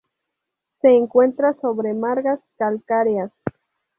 Se encuentra sobre margas calcáreas.